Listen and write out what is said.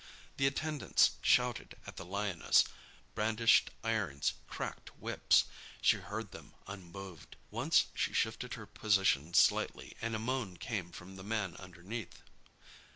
The attendants shouted at the lioness, brandished irons, cracked whips. She heard them unmoved. Once she shifted her position slightly and a moan came from the man underneath.